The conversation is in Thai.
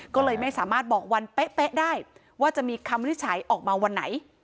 ก็เลยไม่สามารถบอกวันเป๊ะได้ว่าจะมีคำวินิจฉัยออกมาวันไหน